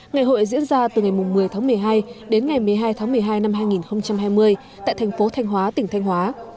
ngày hội diễn ra từ ngày một mươi tháng một mươi hai đến ngày một mươi hai tháng một mươi hai năm hai nghìn hai mươi tại thành phố thanh hóa tỉnh thanh hóa